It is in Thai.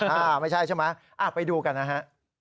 อ่าไม่ใช่ใช่ไหมไปดูกันนะฮะ